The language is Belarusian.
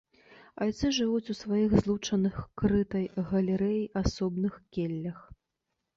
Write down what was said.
Айцы жывуць у сваіх злучаных крытай галерэяй асобных келлях.